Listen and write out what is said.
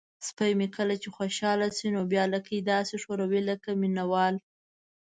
سپی مې کله چې خوشحاله شي نو بیا لکۍ داسې ښوروي لکه مینه وال.